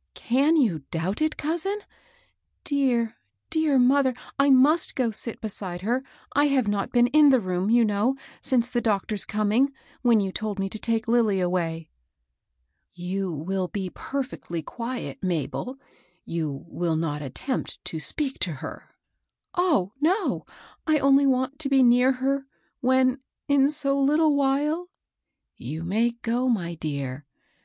" Can you doubt it, cousin ? Dear, dear mother 1 I must go sit beside her. I have not been in the room, you know, since the doctor's coming, when you told me to take Lilly away." 10 MABEL ROSS. "You will be perfectly quiet, Mabel? You will not attempt to speak to her ?"Oh, no I I only want to be near her, when, in so little while *'—" You may go, my dear.